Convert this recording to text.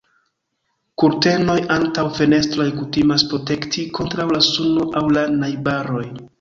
Kurtenoj antaŭ fenestroj kutimas protekti kontraŭ la suno aŭ la najbaroj.